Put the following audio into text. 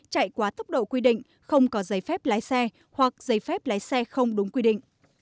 chạy quá tốc độ quy định không có giấy phép lái xe hoặc giấy phép lái xe không đúng quy định